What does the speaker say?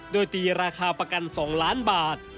โดยตีราคาประกัน๒ล้านบาท